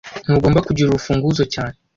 Ntugomba kugira urufunguzo cyane